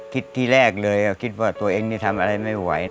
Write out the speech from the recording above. คิดที่แรกเลยนี่ว่าตัวเองทำอะไรไม่ไหว